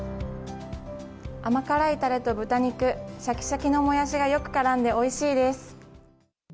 甘辛いたれと豚肉、しゃきしゃきのもやしがよくからんでおいしいです。